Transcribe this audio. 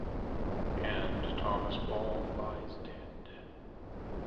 And Thomas Ball lies dead.